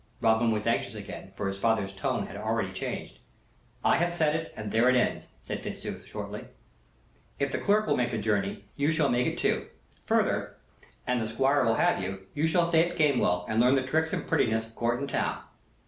Robin was anxious again, for his father's tone had already changed. "I have said it; and there it ends," said Fitzooth, shortly. "If the clerk will make the journey you shall make it too. Further, an the Squire will have you, you shall stay at Gamewell and learn the tricks and prettinesses of Court and town.